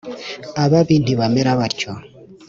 Ababi ntibamera batyo